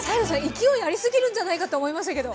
勢いありすぎるんじゃないかと思いましたけど。